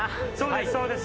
そうです。